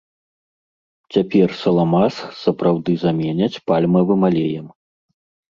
Цяпер саламас сапраўды заменяць пальмавым алеем.